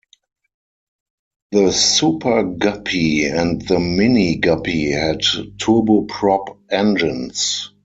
The Super Guppy and the Mini Guppy had turboprop engines.